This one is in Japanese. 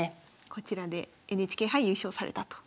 こちらでＮＨＫ杯優勝されたと。